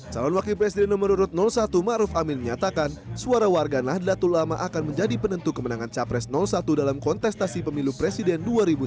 calon wakil presiden nomor urut satu ⁇ maruf ⁇ amin menyatakan suara warga nahdlatul ulama akan menjadi penentu kemenangan capres satu dalam kontestasi pemilu presiden dua ribu sembilan belas